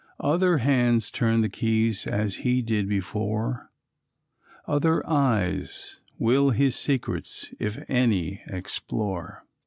Other hands turn the keys, as he did, before, Other eyes will his secrets, if any, explore.